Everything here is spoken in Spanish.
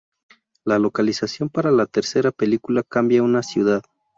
La localización para la tercera película cambia a una ciudad.